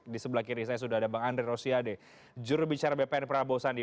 di sebelah kiri saya sudah ada bang andre rosiade jurubicara bpn prabowo sandi